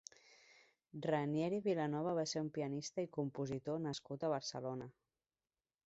Ranieri Vilanova va ser un pianista i compositor nascut a Barcelona.